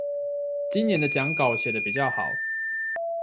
今年的講稿寫得比較好